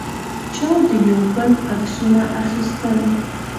چا د یو بل عکسونه اخیستل.